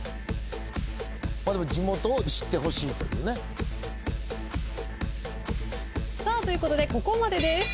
地元を知ってほしいというね。ということでここまでです。